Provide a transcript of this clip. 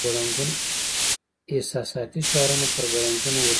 احساساتي شعارونه پر ګړنګونو ورځي.